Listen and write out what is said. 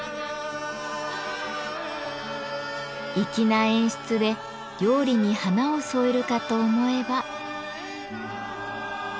粋な演出で料理に華を添えるかと思えば。